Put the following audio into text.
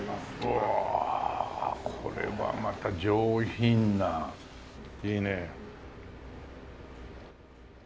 おおこれはまた上品な。いいね。